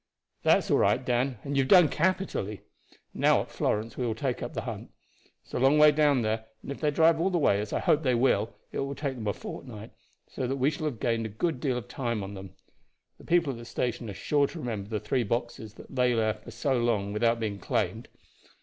"That is all right, Dan, and you have done capitally. Now at Florence we will take up the hunt. It is a long way down there; and if they drive all the way, as I hope they will, it will take them a fortnight, so that we shall have gained a good deal of time on them. The people at the station are sure to remember the three boxes that lay there for so long without being claimed.